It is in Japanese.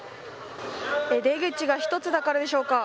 出口が１つだからでしょうか。